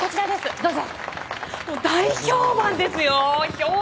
どうぞ。